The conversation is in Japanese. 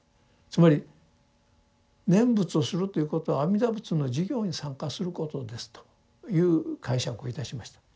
つまり念仏をするということは阿弥陀仏の事業に参加することですという解釈をいたしました。